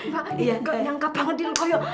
pak gak nyangka banget di loko ya